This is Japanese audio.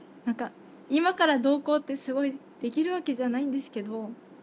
なんか今からどうこうってすごいできるわけじゃないんですけど。